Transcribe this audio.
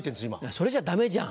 それじゃダメじゃん。